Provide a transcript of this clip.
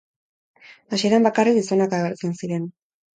Hasieran bakarrik gizonak agertzen ziren.